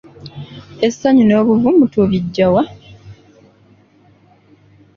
Essanyu n’obuvumu tubiggya wa?